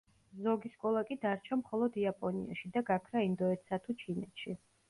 ზოგი სკოლა კი დარჩა მხოლოდ იაპონიაში და გაქრა ინდოეთსა თუ ჩინეთში.